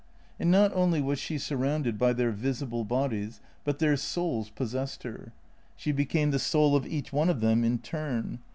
And not only was she surrounded by their visible bodies, but their souls possessed her; she became the soul of each one of them in turn.